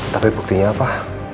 tapi buktinya apa